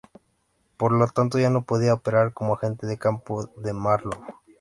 Por lo tanto ya no podía operar como agente de campo de Marlowe.